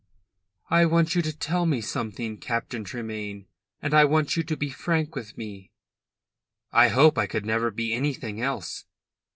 "I want you to tell me something, Captain Tremayne, and I want you to be frank with me." "I hope I could never be anything else."